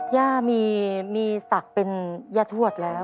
ย่ามีศักดิ์เป็นย่าทวดแล้ว